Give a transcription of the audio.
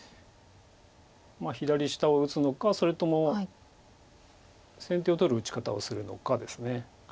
左下を打つのかそれとも先手を取る打ち方をするのかです。